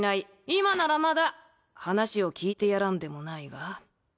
今ならまだ話を聞いてやらんでもないが。